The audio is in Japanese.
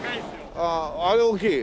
あああれ大きい？